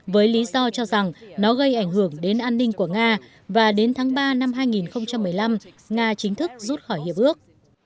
với lý do cho rằng nó gây ảnh hưởng đến an ninh của nga và đến tháng ba năm hai nghìn một mươi năm nga chính thức rút khỏi hiệp ước